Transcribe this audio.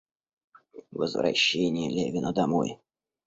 Возвращение Левина домой.